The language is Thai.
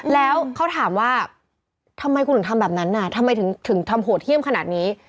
แล้วเขาถามว่าทำไมคุณถึงทำแบบนั้นน่ะทำไมถึงทำโหดเยี่ยมขนาดนี้